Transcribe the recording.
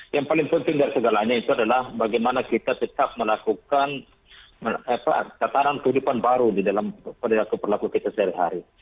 yang paling penting dari segalanya itu adalah bagaimana kita tetap melakukan tatanan kehidupan baru di dalam perilaku perlaku kita sehari hari